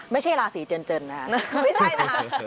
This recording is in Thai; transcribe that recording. ไม่ใช่ราศีเจินนะครับ